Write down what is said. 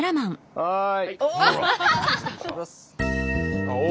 はい。